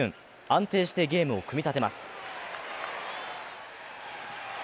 安定してゲームを組み立てます。